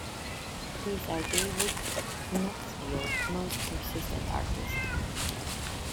He is arguably Knoxville's most persistent artist.